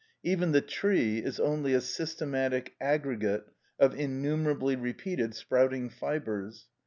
Even the tree is only a systematic aggregate of innumerably repeated sprouting fibres.